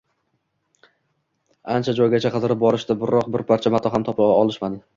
Ancha joygacha qidirib borishdi, biroq bir parcha mato ham topa olishmadi